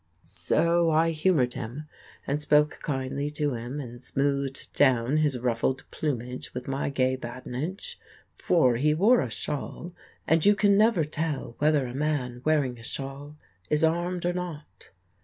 So I humored him and spoke kindly to him and smoothed down his ruffled plumage with my gay badinage, for he wore a shawl and you can never tell whether a man wearing a shawl is armed or not.